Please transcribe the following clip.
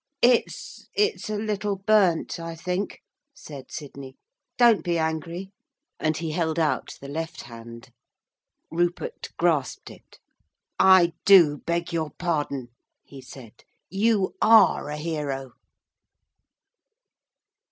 'It's it's a little burnt, I think,' said Sidney, 'don't be angry,' and he held out the left hand. Rupert grasped it. 'I do beg your pardon,' he said, 'you are a hero!'